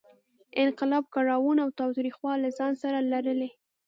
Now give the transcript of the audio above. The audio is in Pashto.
انقلاب کړاوونه او تاوتریخوالی له ځان سره لرلې.